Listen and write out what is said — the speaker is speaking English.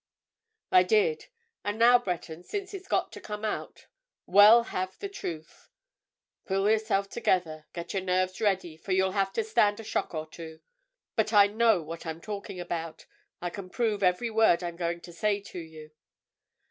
"I did. And now, Breton, since it's got to come out, we'll have the truth. Pull yourself together—get your nerves ready, for you'll have to stand a shock or two. But I know what I'm talking about—I can prove every word I'm going to say to you.